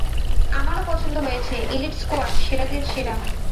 আমারও পছন্দ হয়েছে, এলিট স্কোয়াড, সেরাদের সেরা।